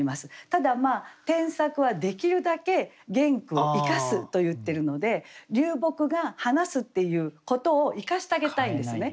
ただ添削はできるだけ原句を生かすといってるので「流木が話す」っていうことを生かしてあげたいんですね。